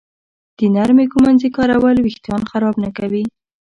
د نرمې ږمنځې کارول وېښتان خراب نه کوي.